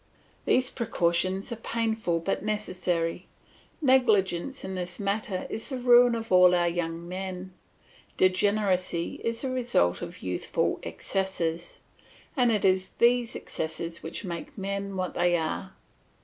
These precautions are painful but necessary; negligence in this matter is the ruin of all our young men; degeneracy is the result of youthful excesses, and it is these excesses which make men what they are.